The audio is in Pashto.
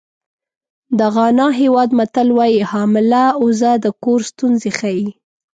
د غانا هېواد متل وایي حامله اوزه د کور ستونزې ښیي.